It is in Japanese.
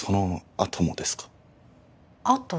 あと？